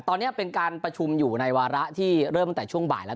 ตอนนี้เป็นการประชุมอยู่ในวาระที่เริ่มตั้งแต่ช่วงบ่ายแล้ว